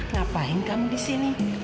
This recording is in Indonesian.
ngapain kamu disini